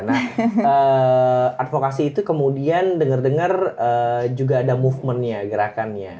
nah advokasi itu kemudian denger denger juga ada gerakannya